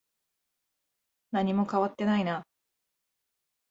何も変わっていないな。